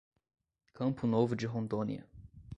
Campo Novo de Rondônia